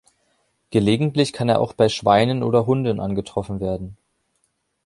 Gelegentlich kann er auch bei Schweinen oder Hunden angetroffen werden.